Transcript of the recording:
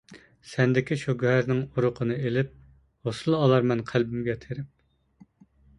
سەندىكى شۇ گۆھەرنىڭ ئۇرۇقىنى ئېلىپ، ھوسۇل ئالارمەن قەلبىمگە تېرىپ.